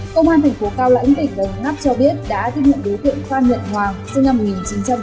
công an tp hcm gần ngắp cho biết đã thích nhận đối tượng phan nhận hoàng